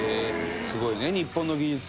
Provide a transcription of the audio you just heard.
すごいね日本の技術ね。